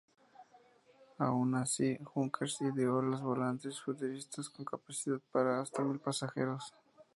Aun así Junkers ideó alas volantes futuristas, con capacidad para hasta mil pasajeros.